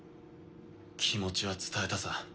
気持ちは伝えたさ。